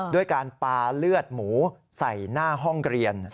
ด้วยการปาเลือดหมูใส่หน้าห้องเรียน